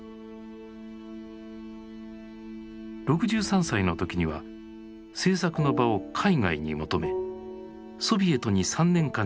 ６３歳の時には製作の場を海外に求めソビエトに３年間にわたり滞在。